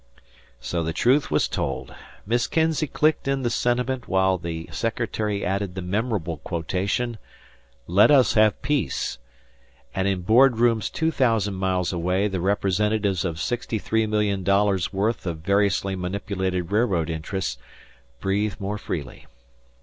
So the truth was told. Miss Kinzey clicked in the sentiment while the secretary added the memorable quotation, "Let us have peace," and in board rooms two thousand miles away the representatives of sixty three million dollars' worth of variously manipulated railroad interests breathed more freely.